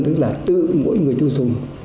tức là tự mỗi người tiêu dùng